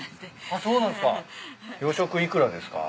あっそうなんすか。